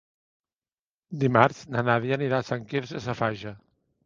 Dimarts na Nàdia anirà a Sant Quirze Safaja.